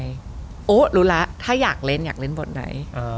รู้แล้วถ้าอยากเล่นอยากเล่นบทไหน